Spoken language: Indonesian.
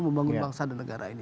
membangun bangsa dan negara ini